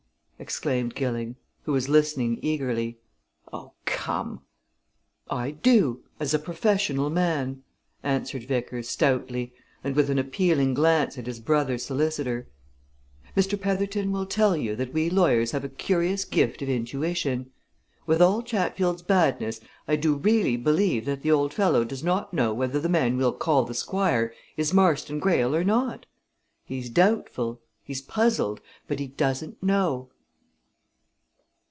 exclaimed Gilling, who was listening eagerly. "Oh, come!" "I do as a professional man," answered Vickers, stoutly, and with an appealing glance at his brother solicitor. "Mr. Petherton will tell you that we lawyers have a curious gift of intuition. With all Chatfield's badness, I do really believe that the old fellow does not know whether the man we'll call the Squire is Marston Greyle or not! He's doubtful he's puzzled but he doesn't know."